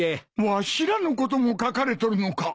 わしらのことも書かれとるのか！？